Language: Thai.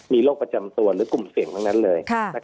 มีโรคประจำตัวหรือกลุ่มเสี่ยงทั้งนั้นเลย